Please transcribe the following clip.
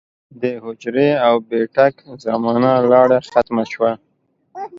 د حجرې او بېټک زمانه لاړه ختمه شوه